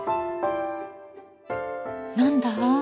何だ？